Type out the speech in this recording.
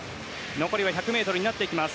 残りは１００ｍになってきます。